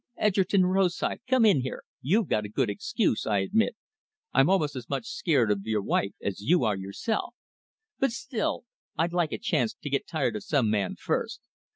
Edgerton Rosythe, come in here you've got a good excuse, I admit I'm almost as much scared of your wife as you are yourself. But still, I'd like a chance to get tired of some man first.